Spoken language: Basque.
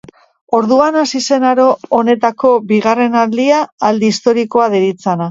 Orduan hasi zen aro honetako bigarren aldia, aldi historikoa deritzana.